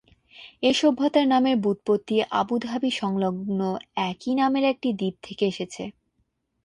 এই সভ্যতার নামের ব্যুৎপত্তি আবু ধাবি সংলগ্ন একই নামের একটি দ্বীপ থেকে এসেছে।